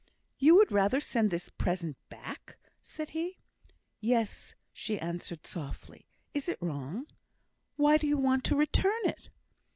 "You would rather send this present back?" said he. "Yes," she answered, softly. "Is it wrong?" "Why do you want to return it?"